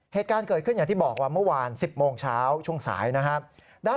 เหตุการณ์เกิดขึ้นอย่างที่บอกว่าเมื่อวาน๑๐โมงเช้าช่วงสายนะครับ